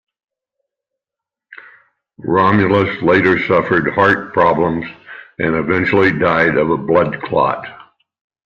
Romulus later suffered heart problems and eventually died of a blood clot.